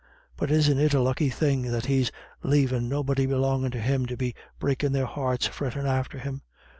But isn't it a lucky thing that he's lavin' nobody belongin' to him to be breakin' their hearts frettin' after him?